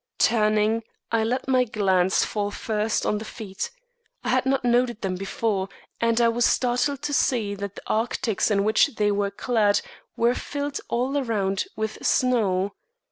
Turning, I let my glance fall first on the feet. I had not noted them before, and I was startled to see that the arctics in which they were clad were filled all around with snow.